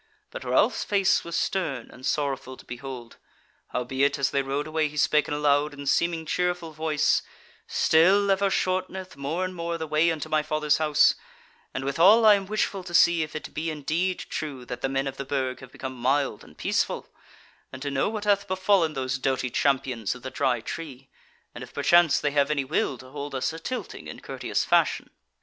But Ralph's face was stern and sorrowful to behold; howbeit, as they rode away he spake in a loud and seeming cheerful voice: "Still ever shorteneth more and more the way unto my Fathers' House: and withal I am wishful to see if it be indeed true that the men of the Burg have become mild and peaceful; and to know what hath befallen those doughty champions of the Dry Tree; and if perchance they have any will to hold us a tilting in courteous fashion."